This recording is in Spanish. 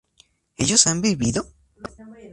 ¿ellos han bebido?